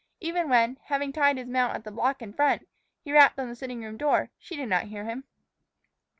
Even when, having tied his mount at the block in front, he rapped on the sitting room door, she did not hear him.